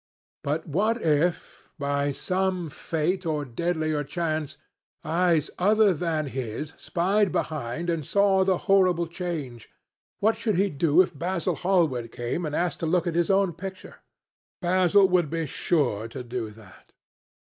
But what if, by some fate or deadlier chance, eyes other than his spied behind and saw the horrible change? What should he do if Basil Hallward came and asked to look at his own picture? Basil would be sure to do that.